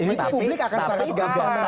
itu publik akan sangat senggak